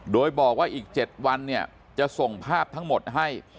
โดยบอกว่าอีก๗วันเนี่ยจะส่งภาพทั้งหมดให้